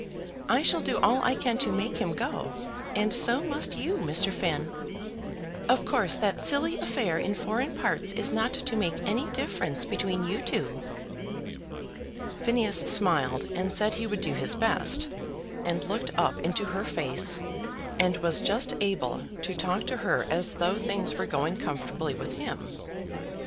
I shall do all I can to make him go; and so must you, Mr. Finn. Of course that silly affair in foreign parts is not to make any difference between you two." Phineas smiled, and said he would do his best, and looked up into her face, and was just able to talk to her as though things were going comfortably with him.